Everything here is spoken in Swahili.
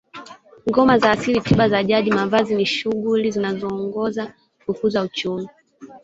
Ngoma za asili tiba za jadi mavazi ni shughuli zinazoongoza kukuza uchumi